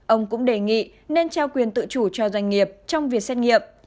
ông cũng đề nghị nên trao quyền tự chủ cho doanh nghiệp trong việc xét nghiệm